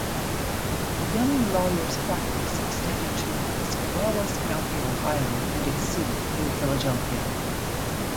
The young lawyer's practice extended to Tuscarawas County, Ohio, and its seat, New Philadelphia.